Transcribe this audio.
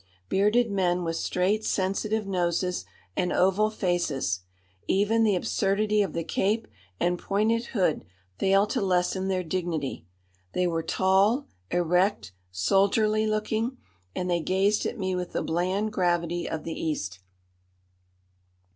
Bearded men with straight, sensitive noses and oval faces, even the absurdity of the cape and pointed hood failed to lessen their dignity. They were tall, erect, soldierly looking, and they gazed at me with the bland gravity of the East.